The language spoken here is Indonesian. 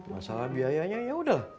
masalah biayanya yaudah